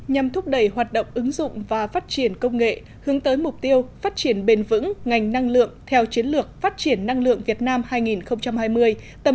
nhằm thúc đẩy hoạt động ứng dụng và phát triển công nghệ hướng tới mục tiêu phát triển bền vững ngành năng lượng theo chiến lược phát triển năng lượng việt nam hai nghìn hai mươi